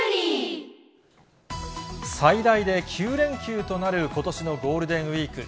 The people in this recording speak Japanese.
最大で９連休となることしのゴールデンウィーク。